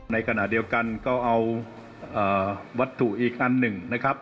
ในขณะเดียวกันก็เอาวัตถุอีกอันหนึ่งนะครับ